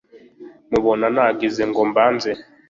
mubona nagize ngo mbanze